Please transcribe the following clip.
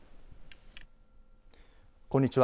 こんにちは。